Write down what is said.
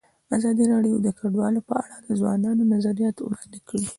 ازادي راډیو د کډوال په اړه د ځوانانو نظریات وړاندې کړي.